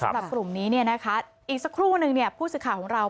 สำหรับกลุ่มนี้เนี่ยนะคะอีกสักครู่นึงผู้สื่อข่าวของเรา